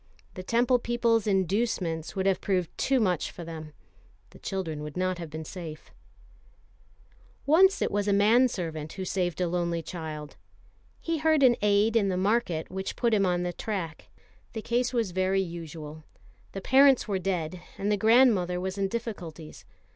The Temple people's inducements would have proved too much for them. The children would not have been safe. Once it was a man servant who saved a lovely child. He heard an aside in the market which put him on the track. The case was very usual. The parents were dead, and the grandmother was in difficulties.